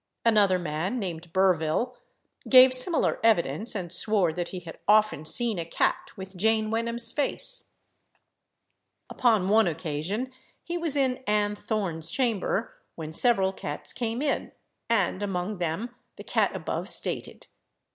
Another man, named Burville, gave similar evidence, and swore that he had often seen a cat with Jane Wenham's face. Upon one occasion he was in Ann Thorne's chamber, when several cats came in, and among them the cat above stated.